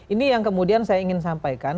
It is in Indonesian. ini yang kemudian saya ingin sampaikan